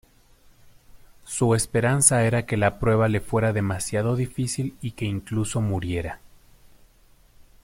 Su esperanza era que la prueba le fuera demasiado difícil y que incluso muriera.